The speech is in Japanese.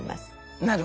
なるほど。